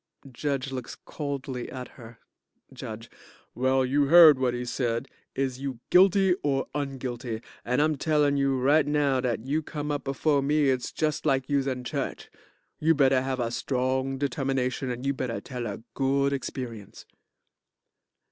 JUDGE looks coldly at her.) Well, you heard whut he said. Is you guilty or unguilty? And I'm tellin' you right now dat you come up befo' me it's just like youse in church. You better have a strong determination, and you better tell a good experience.